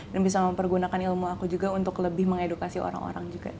dan bisa mempergunakan ilmu aku juga untuk lebih mengedukasi orang orang juga